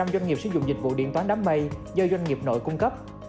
bảy mươi doanh nghiệp sử dụng dịch vụ điện toán đám mây do doanh nghiệp nội cung cấp